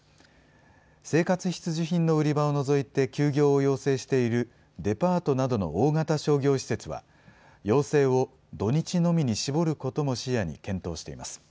生活必需品の売り場を除いて、休業を要請しているデパートなどの大型商業施設は、要請を土日のみに絞ることを視野に検討しています。